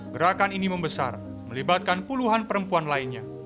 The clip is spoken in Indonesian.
gerakan ini membesar melibatkan puluhan perempuan lainnya